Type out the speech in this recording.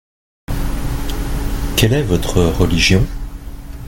Quelle est votre religion ?